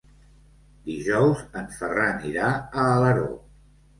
Dijous en Ferran irà a Alaró.